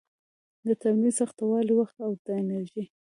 د تمرین سختوالي، وخت او د انرژي